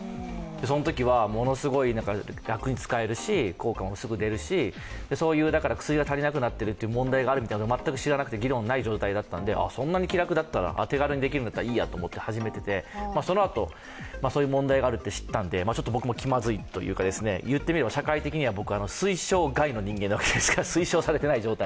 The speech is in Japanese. そのときはものすごい楽に使えるし効果もすぐ出るしそういう薬が足りなくなっているという問題があるのは全く知らなくて、議論がない状態だったんで、そんなに気楽だったら、手軽にできるんだったらいいやと思って、始めてて、そのあとにその問題を聞いてちょっと僕もきまずいというか僕、社会的に言ったら推奨人の人間なわけですから、推奨されていない。